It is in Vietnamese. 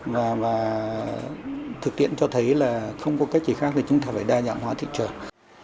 và thực tiễn cho thấy là không có cách gì khác thì chúng ta phải đa dạng hóa thị trường